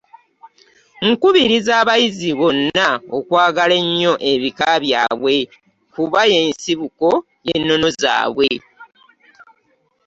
Nkubiriza abayizi bonna okwagala ennyo ebika byabwe, kuba ye nsibuko y’ennono zaabwe.